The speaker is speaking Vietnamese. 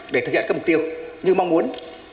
để thực hiện các mục tiêu như mong muốn